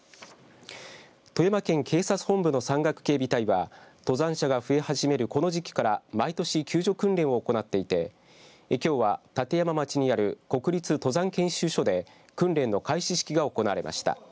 富山県警察本部の山岳警備隊は登山者が増え始めるこの時期から毎年、救助訓練を行っていてきょうは立山町にある国立登山研修所で訓練の開始式が行われました。